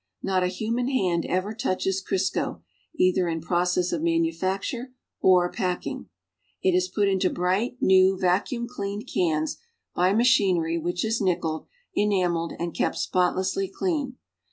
Not a human hand ever touches Cri.sco either in process of manufacture or jjacking. It is put into bright, new, vacuum cleaned cans by machinery which is nickeled, enameled and kept spotlessly clean.